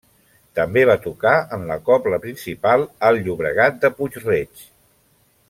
També va tocar en la Cobla Principal Alt Llobregat de Puig-Reig.